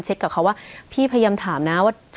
สวัสดีครับทุกผู้ชม